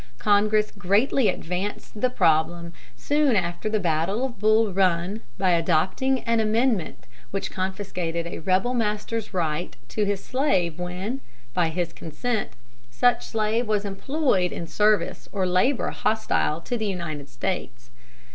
Congress greatly advanced the problem, soon after the battle of Bull Run, by adopting an amendment which confiscated a rebel master's right to his slave when, by his consent, such slave was employed in service or labor hostile to the United States.